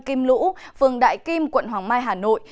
kim lũ phường đại kim quận hoàng mai hà nội